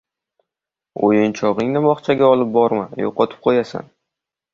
“O‘yinchog‘ingni bog‘chaga olib borma, yo‘qotib qo‘yasan”